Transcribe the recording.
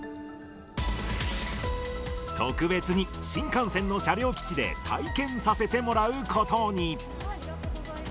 特別に新幹線の車両基地で、体験させてもらうことに。